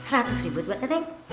seratus ribu buat petek